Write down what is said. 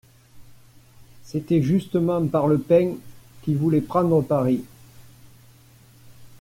C'était justement par le pain qu'il voulait prendre Paris.